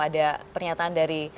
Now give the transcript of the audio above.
ada pernyataan dari